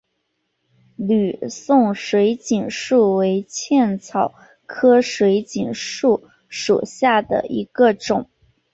吕宋水锦树为茜草科水锦树属下的一个种。